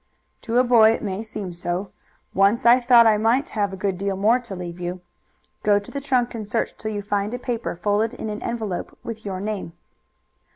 "To a boy it may seem so. Once I thought I might have a good deal more to leave you. Go to the trunk and search till you find a paper folded in an envelope with your name."